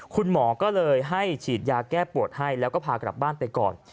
คุณหมอก็เลยให้ฉีดยาแก้ปวดให้แล้วก็พากลับบ้านไปก่อน